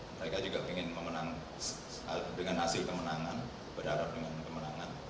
mereka juga ingin memenang dengan hasil kemenangan berharap dengan kemenangan